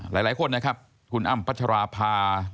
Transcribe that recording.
หลายคนนะครับคุณอ้ำพัชราภา